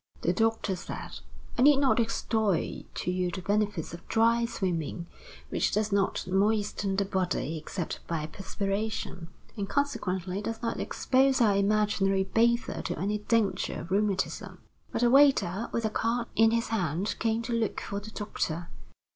The doctor said: "I need not extol to you the benefits of dry swimming, which does not moisten the body except by perspiration, and consequently does not expose our imaginary bather to any danger of rheumatism." But a waiter, with a card in his hand, came to look for the doctor.